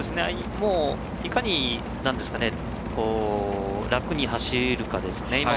いかに、楽に走るかですね。